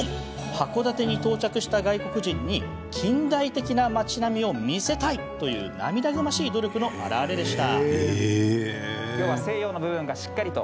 函館に到着した外国人に近代的な町並みを見せたいという涙ぐましい努力の表れでした。